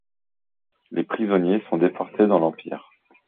Les prisonniers sont déportés dans l'Empire.